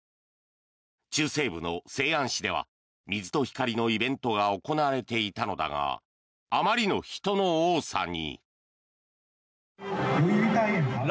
中西部の西安市では水と光のイベントが行われていたのだがあまりの人の多さに。